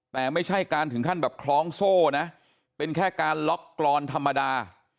แต่ไม่ใช่การถึงขั้นแบบคล้องโซ่นะเป็นแค่การล็อกกรอนธรรมดา